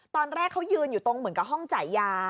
ตอนแรกเขายืนอยู่ตรงห้องจ่ายยา